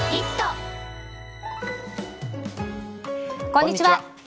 こんにちは。